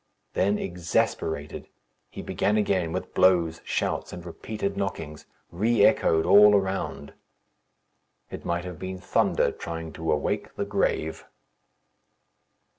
Then, exasperated, he began again with blows, shouts, and repeated knockings, re echoed all around. It might have been thunder trying to awake the grave.